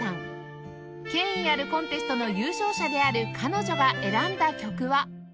権威あるコンテストの優勝者である彼女が選んだ曲は